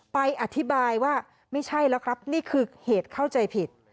ไปอธิบายว่าไม่ใช่แล้วครับนี่คือเหตุเข้าใจผิด